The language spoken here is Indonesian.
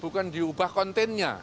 bukan diubah kontennya